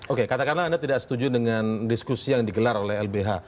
oke katakanlah anda tidak setuju dengan diskusi yang digelar oleh lbh